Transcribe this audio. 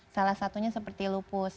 salah satunya seperti lupus